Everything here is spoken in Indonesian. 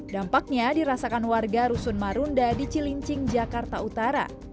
dampaknya dirasakan warga rusun marunda di cilincing jakarta utara